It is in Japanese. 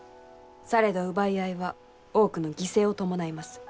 されど奪い合いは多くの犠牲を伴います。